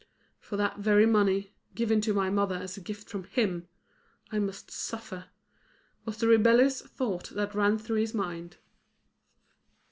"For that very money, given to my mother as a gift from him, I must suffer," was the rebellious thought that ran through his mind.